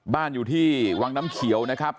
บ้านอยู่ที่วังน้ำเขียวนะครับ